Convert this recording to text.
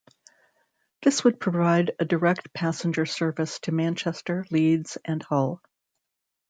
This would provide a direct passenger service to Manchester, Leeds and Hull.